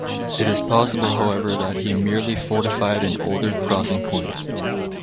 It is possible however that he merely fortified an older crossing point.